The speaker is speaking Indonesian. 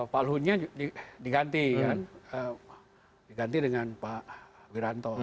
pak luhutnya diganti dengan pak wiranto